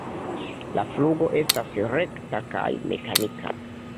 La flugo estas rekta kaj mekanika.